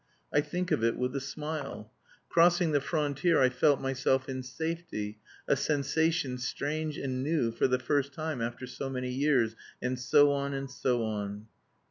I think of it with a smile. Crossing the frontier I felt myself in safety, a sensation, strange and new, for the first time after so many years" and so on and so on.